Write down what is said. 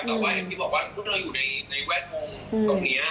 แต่พี่บอกว่าถ้าเราอยู่ในแวดมุมตรงนี้